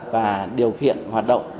và điều khiện hoạt động